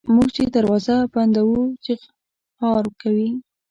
موږ چي دروازه بندوو چیغهار کوي.